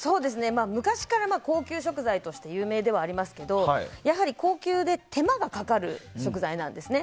昔から高級食材として有名ではありますけどやはり、高級で手間がかかる食材なんですね。